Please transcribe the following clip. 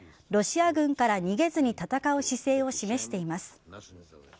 ロシア軍から逃げずに戦う姿勢を示しています。